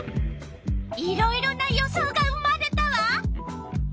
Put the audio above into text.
いろいろな予想が生まれたわ。